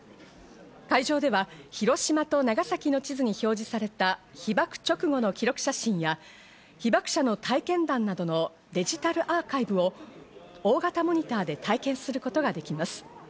会場では広島と長崎の地図に表示された被爆直後の記録写真や、被爆者の体験談などのデジタルアーカイブを大型モニターで体験することができます。